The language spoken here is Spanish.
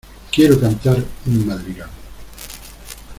Quiero cantar un madrigal.